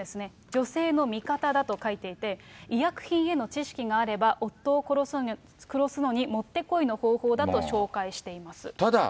女性の味方だと書いていて、医薬品への知識があれば夫を殺すのにもってこいの方法だと紹介しただ